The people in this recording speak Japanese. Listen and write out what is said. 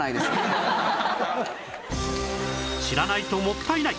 知らないともったいない！